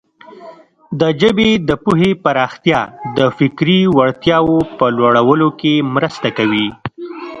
د ژبې د پوهې پراختیا د فکري وړتیاوو په لوړولو کې مرسته کوي.